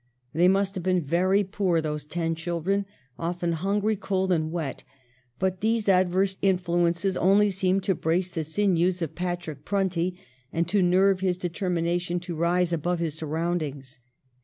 They must have been very poor, those ten children, often hungry, cold, and wet ; but these adverse influ ences only seemed to brace the sinews of Patrick Prunty and to nerve his determination to rise above his surroundings.